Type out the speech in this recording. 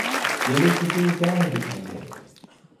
یہ لوگ کسی کو کیا منہ دکھائیں گے؟